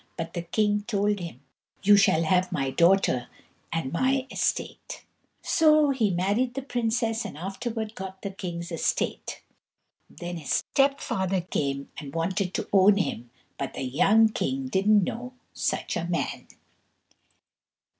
But the king told him: "You shall have my daughter and my estate." So he married the princess, and afterwards got the king's estate. Then his step father came and wanted to own him, but the young king didn't know such a man.